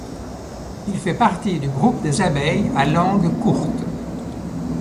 Il fait partie du groupe des abeilles à langue courte.